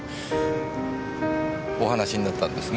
お話しになったんですね？